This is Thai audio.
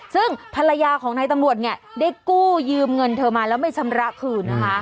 ซึ่งภรรยาของนายตำรวจเนี่ยได้กู้ยืมเงินเธอมาแล้วไม่ชำระคืนนะคะ